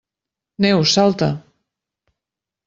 Neus, salta!